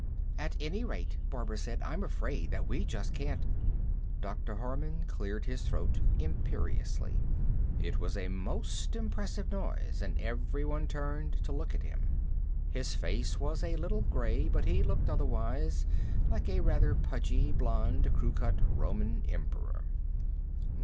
"At any rate," Barbara said, "I'm afraid that we just can't " Dr. Harman cleared his throat imperiously. It was a most impressive noise, and everyone turned to look at him. His face was a little gray, but he looked, otherwise, like a rather pudgy, blond, crew cut Roman emperor.